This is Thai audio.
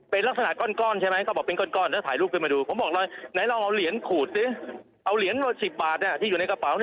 เป็นลักษณะก้อนใช่ไหมเขาบอกเป็นก้อนแล้วถ่ายรูปขึ้นมาดูผมบอกเลยไหนลองเอาเหรียญขูดสิเอาเหรียญมา๑๐บาทที่อยู่ในกระเป๋า